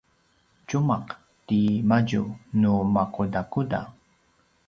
tjumaq ti madju nu makudakuda?